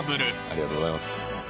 ありがとうございます